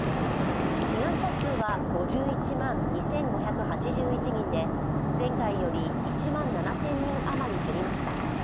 志願者数は５１万２５８１人で前回より１万７０００人あまり減りました。